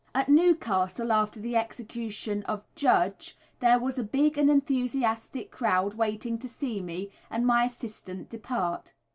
At Newcastle, after the execution of Judge, there was a big and enthusiastic crowd waiting to see me and my assistant depart.